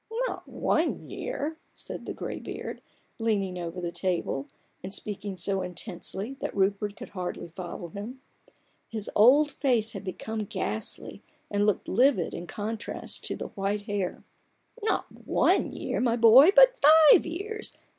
"Not one year," said the graybeard, leaning over the table and speaking so intensely that Rupert could hardly follow him. His old face had become ghastly and looked livid in contrast to the white hair. " Not one year, my boy, but five years